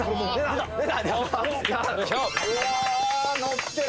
・乗ってる！